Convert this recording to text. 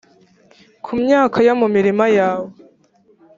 ku myaka yo mu mirima yawe,